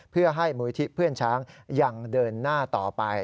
เพื่อให้มูลิธิเพื่อนช้างยังเดินหน้าต่อไป